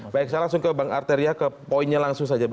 baik saya langsung ke bang arteria ke poinnya langsung saja